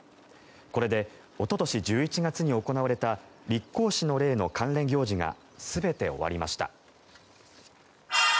これでおととし１１月に行われた立皇嗣の礼の関連行事が全て終わりました。